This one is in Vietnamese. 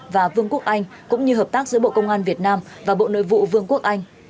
và vương quốc anh cũng như hợp tác giữa bộ công an việt nam và bộ nội vụ vương quốc anh